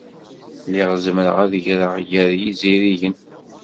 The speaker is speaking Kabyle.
Lliɣ zemreɣ ad ɣreɣ gar yizirigen.